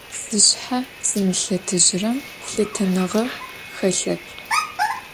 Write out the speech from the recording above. Zışshe zımılhıtejırem lhıtenığe xelhep.